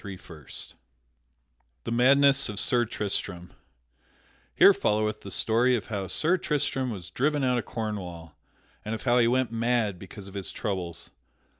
PART III The Madness of Sir Tristram _Here followeth the story of how Sir Tristram was driven out of Cornwall and of how he went mad because of his troubles.